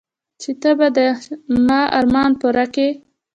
چې ته به د ما ارمان پوره كيې.